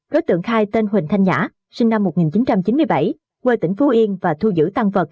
đối tượng khai tên huỳnh thanh nhã sinh năm một nghìn chín trăm chín mươi bảy quê tỉnh phú yên và thu giữ tăng vật